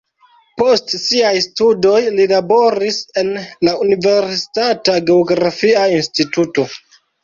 Post siaj studoj li laboris en la universitata geografia instituto.